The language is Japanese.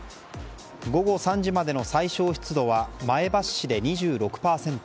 午後３時までの最小湿度は前橋市で２６％